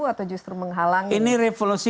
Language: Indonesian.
atau justru menghalangi revolusi